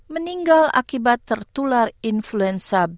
meninggal akibat tertular influenza b